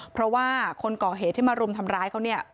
เพราะว่าคนก่อเหตุที่มารุมทำร้ายเขาเนี่ย